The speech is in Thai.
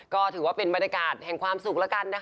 ก็ถือว่าเป็นบรรยากาศแห่งความสุขแล้วกันนะคะ